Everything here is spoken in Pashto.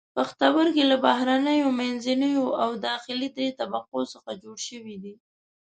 پښتورګي له بهرنیو، منځنیو او داخلي دریو طبقو څخه جوړ شوي دي.